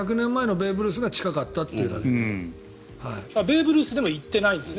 ベーブ・ルースでも行ってないんですね。